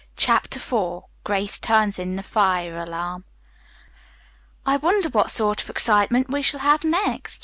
CHAPTER IV GRACE TURNS IN THE FIRE ALARM "I wonder what sort of excitement we shall have next?"